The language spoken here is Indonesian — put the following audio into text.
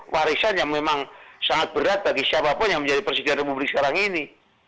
warisan yang memang sangat berat bagi siapapun yang menjadi presiden republik sekarang ini